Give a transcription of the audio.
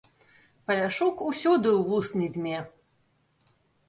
Паляшук усюды ў вус не дзьме.